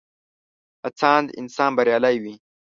هڅاند انسان بريالی وي.